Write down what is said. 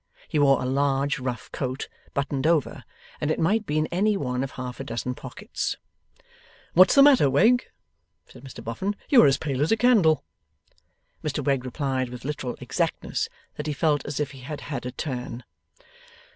He wore a large rough coat, buttoned over, and it might be in any one of half a dozen pockets. 'What's the matter, Wegg?' said Mr Boffin. 'You are as pale as a candle.' Mr Wegg replied, with literal exactness, that he felt as if he had had a turn.